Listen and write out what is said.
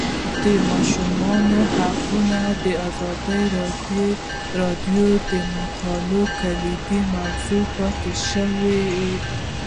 د ماشومانو حقونه د ازادي راډیو د مقالو کلیدي موضوع پاتې شوی.